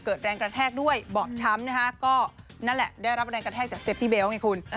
แรงกระแทกด้วยบอบช้ำนะคะก็นั่นแหละได้รับแรงกระแทกจากเซฟตี้เบลต์ไงคุณ